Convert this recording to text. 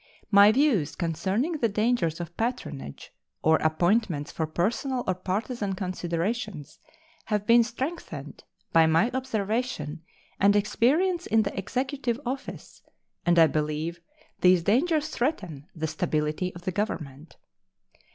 My views concerning the dangers of patronage, or appointments for personal or partisan considerations, have been strengthened by my observation and experience in the Executive office, and I believe these dangers threaten the stability of the Government.